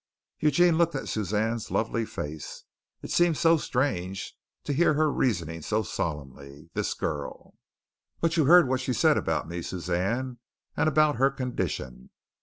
Eugene looked at Suzanne's lovely face. It seemed so strange to hear her reasoning so solemnly this girl! "But you heard what she said about me, Suzanne, and about her condition?"